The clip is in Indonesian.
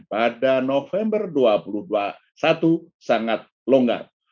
pada november dua ribu dua puluh satu sangat longgar